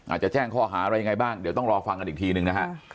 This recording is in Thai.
อาจจะแจ้งข้อหาอะไรยังไงบ้างเดี๋ยวต้องรอฟังกันอีกทีหนึ่งนะฮะ